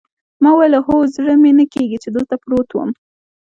ما وویل: هو، زړه مې نه کېږي چې دلته پروت وم.